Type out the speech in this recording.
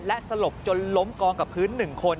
และสลบจนล้มกองกับพื้น๑คน